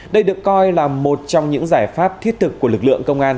đây được coi là một trong những giải pháp thiết thực của lực lượng công an